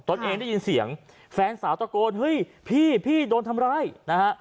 เองได้ยินเสียงแฟนสาวตะโกนเฮ้ยพี่พี่โดนทำร้ายนะฮะ